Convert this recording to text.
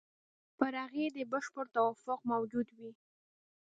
پر هغې دې بشپړ توافق موجود وي.